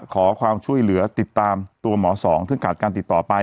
ขอความช่วยเหลือติดตามตัวหมอสองซึ่งขาดการติดต่อไป